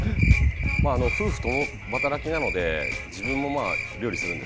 まあ夫婦共働きなので自分もまあ料理するんですね。